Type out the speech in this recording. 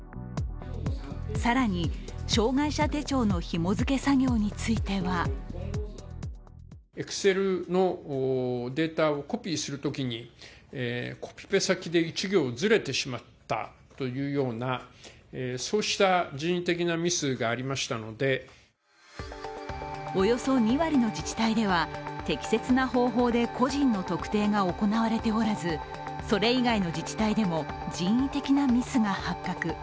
更に、障害者手帳のひも付け作業についてはおよそ２割の自治体では適切な方法で個人の特定が行われておらず、それ以外の自治体でも人為的なミスが発覚。